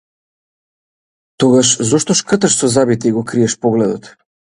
Тогаш зошто шкрташ со забите и го криеш погледот?